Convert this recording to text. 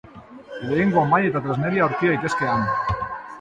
Lehengo mahai eta tresneria aurki daitezke han.